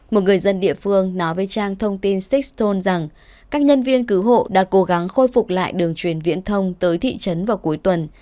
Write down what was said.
một người dân địa phương nói với trang thông tin syxton rằng các nhân viên cứu hộ đã cố gắng khôi phục lại đường truyền viễn thông tới thị trấn vào cuối tuần